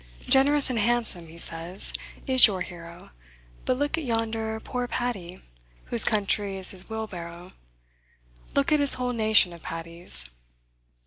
"Generous and handsome," he says, "is your hero; but look at yonder poor Paddy, whose country is his wheelbarrow; look at his whole nation of Paddies."